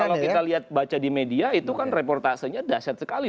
kalau kita lihat baca di media itu kan reportasenya dasyat sekali